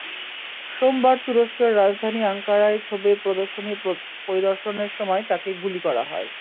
সোমবার তুরস্কের রাজধানী আঙ্কারায় ছবির প্রদর্শনী পরিদর্শনের সময় তাঁকে গুলি করা হয়।